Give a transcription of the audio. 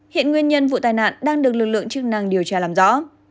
hiện nguyên nhân vụ tai nạn đang được lực lượng chức năng điều tra làm rõ